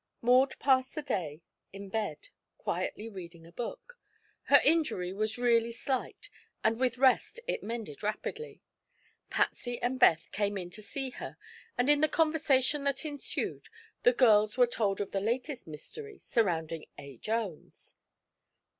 Maud passed the day in bed, quietly reading a book. Her injury was really slight and with rest it mended rapidly. Patsy and Beth came in to see her and in the conversation that ensued the girls were told of the latest mystery surrounding A. Jones.